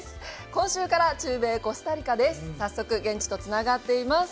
今週から中米コスタリカです。